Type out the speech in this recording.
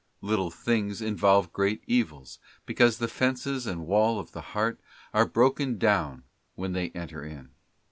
Little things involve great evils, because the fences and wall of the heart are broken down when they enter in.